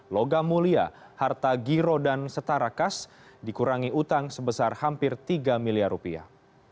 logam mulia harta giro dan setara kas dikurangi utang sebesar hampir tiga miliar rupiah